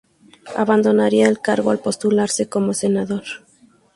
Abandonaría el cargo al postularse como senador.